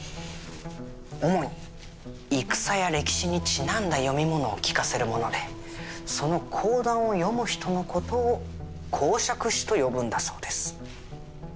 主に戦や歴史にちなんだ読み物を聞かせるものでその講談を読む人の事を講釈師と呼ぶんだそうです。